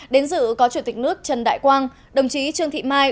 đến dự có chủ tịch nước trần đại quang đồng chí trương thị mai